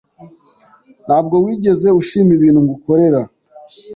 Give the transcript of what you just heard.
Ntabwo wigeze ushima ibintu ngukorera.